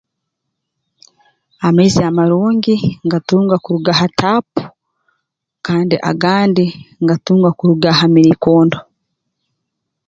Amaizi amarungi ngatunga kuruga ha taapu kandi agandi ngatunga kuruga ha miriikondo